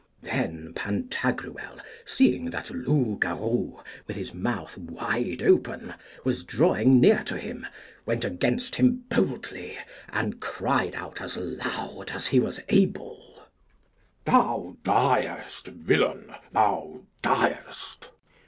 Then Pantagruel, seeing that Loupgarou with his mouth wide open was drawing near to him, went against him boldly, and cried out as loud as he was able, Thou diest, villain, thou diest!